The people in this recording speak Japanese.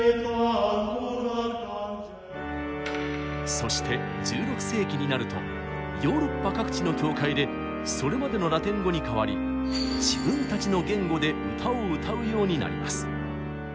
そして１６世紀になるとヨーロッパ各地の教会でそれまでのラテン語に代わり自分たちの言語で歌を歌うようになります。